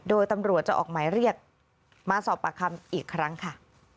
โดยตำรวจจะออกหมายเรียกมาสอบปากคำอีกครั้งค่ะ